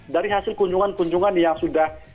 dari hasil kunjungan kunjungan yang sudah